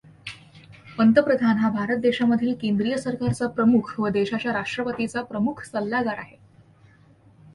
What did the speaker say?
पंतप्रधान हा भारत देशामधील केंद्रीय सरकारचा प्रमुख व देशाच्या राष्ट्रपतीचा प्रमुख सल्लागार आहे.